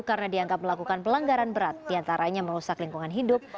karena dianggap melakukan pelanggaran berat diantaranya merusak lingkungan hidup